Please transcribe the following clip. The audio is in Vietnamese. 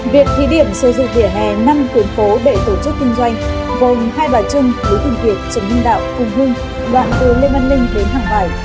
việc thi điểm sử dụng vỉa hè năm cuốn phố để tổ chức kinh doanh gồm hai đoạn trung đối tượng việt trần minh đạo phùng hương đoạn từ lê văn linh đến hàng vải